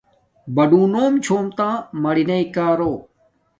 بڑݸنݸم چھݸم تݳ مَرِنݳئی کݳرݸ.